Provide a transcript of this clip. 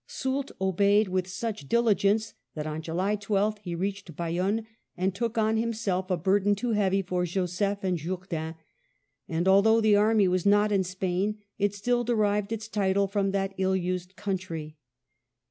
Soult obeyed with such diligence that on July 12th he reached Bayonne and took on himself a burden too heavy for Joseph and Jourdan; and although the army was not in Spain, it still derived its title from that ill used country.